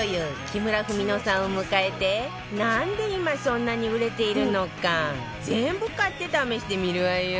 木村文乃さんを迎えてなんで今そんなに売れているのか全部買って試してみるわよ